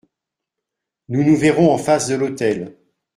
Nous nous verrons en face de l’hôtel.